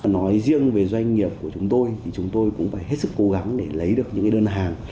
nói riêng về doanh nghiệp của chúng tôi thì chúng tôi cũng phải hết sức cố gắng để lấy được những đơn hàng